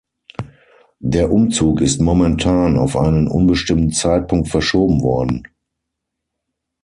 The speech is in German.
Der Umzug ist momentan auf einen unbestimmten Zeitpunkt verschoben worden.